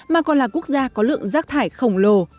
mà còn là quốc gia có lượng rác thải khổng lồ